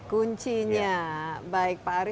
kuncinya baik pak ari